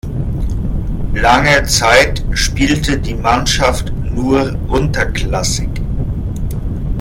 Lange Zeit spielte die Mannschaft nur unterklassig.